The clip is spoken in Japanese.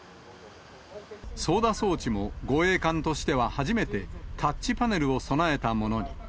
操だ装置も、護衛艦としては初めて、タッチパネルを備えたものに。